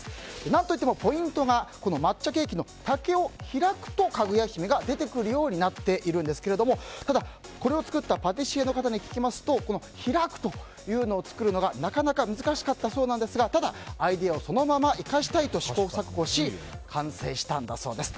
何といってもポイントが抹茶ケーキの竹を開くとかぐや姫が出てくるようになっているんですがただ、これを作ったパティシエの方に聞きますとこの開くというのを作るのがなかなか難しかったそうですがただ、アイデアをそのまま生かしたいと試行錯誤し完成したんだそうです。